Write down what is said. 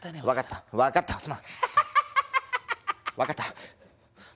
分かった分かった。